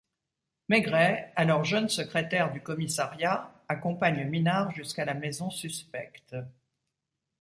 Maigret, alors jeune secrétaire du commissariat, accompagne Minard jusqu'à la maison suspecte.